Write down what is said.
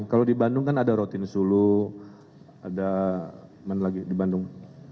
kalau di bandung kan ada rotinsulu ada mana lagi di bandung